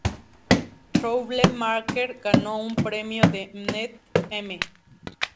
Trouble Maker ganó un premio de Mnet M!